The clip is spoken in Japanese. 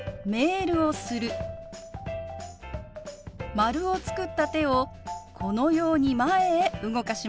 丸を作った手をこのように前へ動かします。